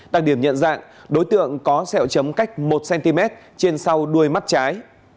đặc điểm nhận dạng đối tượng có xẹo chấm cách một cm trên sau đuôi mắt trái